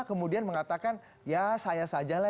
kemudian mengatakan ya saya sajalah